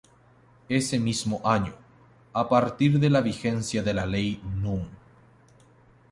Ese mismo año, a partir de la vigencia de la Ley Núm.